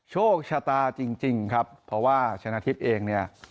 โชคชะตาจริงครับเพราะว่าชนะทิพย์เองเนี่ย